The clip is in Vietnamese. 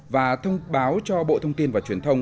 và thông báo cho bộ thông tin và truyền thông